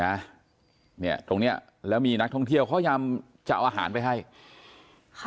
เนี้ยตรงเนี้ยแล้วมีนักท่องเที่ยวเขายอมจะเอาอาหารไปให้ค่ะ